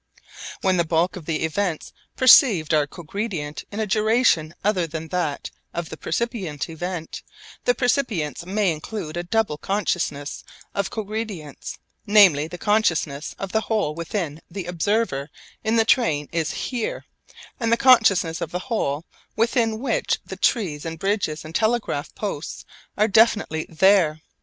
When the bulk of the events perceived are cogredient in a duration other than that of the percipient event, the percipience may include a double consciousness of cogredience, namely the consciousness of the whole within which the observer in the train is 'here,' and the consciousness of the whole within which the trees and bridges and telegraph posts are definitely 'there.'